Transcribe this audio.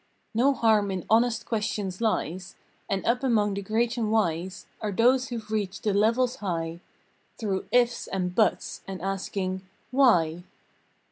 No harm in honest questions lies, And up among the great and wise Are those who ve reached the levels high Through "ifs," and "buts," and asking "WHY?"